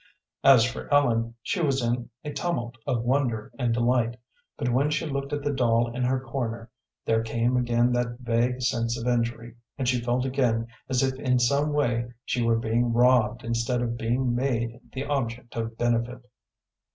As for Ellen, she was in a tumult of wonder and delight, but when she looked at the doll in her corner there came again that vague sense of injury, and she felt again as if in some way she were being robbed instead of being made the object of benefit.